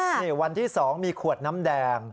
นี่วันที่๒มีขวดน้ำแดง